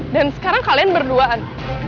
dan sekarang kalian berduaan